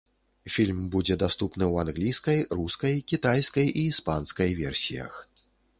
Фільм будзе даступны ў англійскай, рускай, кітайскай і іспанскай версіях.